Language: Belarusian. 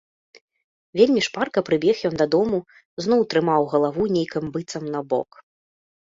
Вельмі шпарка прыбег ён дадому, зноў трымаў галаву нейк быццам набок.